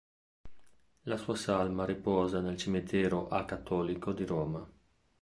La sua salma riposa nel cimitero acattolico di Roma.